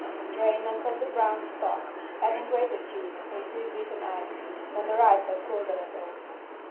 Drain and put the brown stock, adding grated cheese and two beaten eggs, when the rice has cooled a little.